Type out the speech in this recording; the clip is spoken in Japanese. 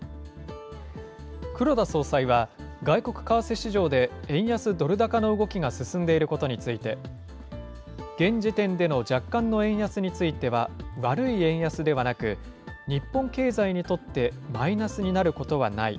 黒田総裁は、外国為替市場で、円安ドル高の動きが進んでいることについて、現時点での若干の円安については、悪い円安ではなく、日本経済にとってマイナスになることはない。